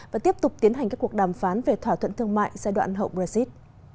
và tiếp tục tiến hành các cuộc đàm phán về thỏa thuận thương mại giai đoạn hậu brexit